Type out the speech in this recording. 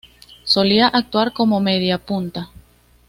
Solía actuar como mediapunta.